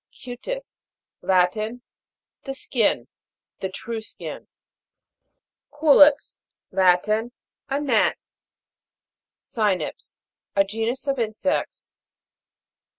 CU'TIS. Latin. The skin : the true skin. CU'LEX. Latin. A gnat. CY'NIPS. A genus of insects.